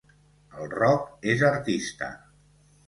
El Roc és artista.